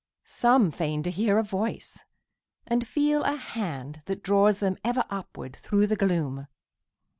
Some feign to hear a voice and feel a hand That draws them ever upward thro' the gloom.